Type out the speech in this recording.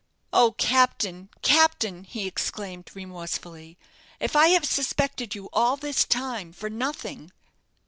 "Oh, captain, captain!" he exclaimed, remorsefully, "if I have suspected you all this time for nothing?"